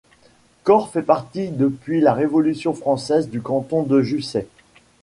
Corre fait partie depuis la Révolution française du canton de Jussey.